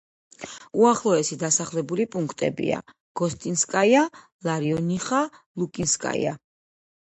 უახლოესი დასახლებული პუნქტებია: გოსტინსკაია, ლარიონიხა, ლუკინსკაია.